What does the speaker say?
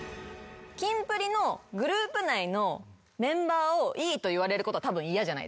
キンプリのグループ内のメンバーをいいと言われることはたぶん嫌じゃないですか。